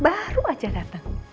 baru aja datang